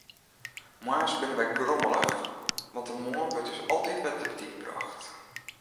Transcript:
Moarns binne wy grommelich, want de moarn wurdt ús altyd wer te betiid brocht.